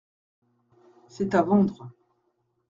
C’est à vendre.